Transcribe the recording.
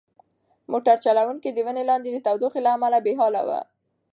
موټر چلونکی د ونې لاندې د تودوخې له امله بې حاله و.